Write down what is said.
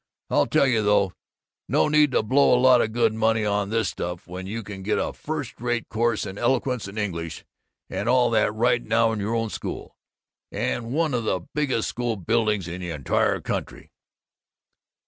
I'll tell you, though: No need to blow in a lot of good money on this stuff when you can get a first rate course in eloquence and English and all that right in your own school and one of the biggest school buildings in the entire country!"